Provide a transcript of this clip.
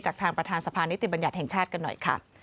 ทางประธานสภานิติบัญญัติแห่งชาติกันหน่อยค่ะ